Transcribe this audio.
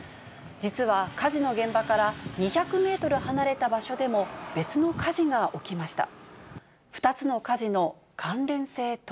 実は火事の現場から、２００メートル離れた場所でも、別の火事が起きました。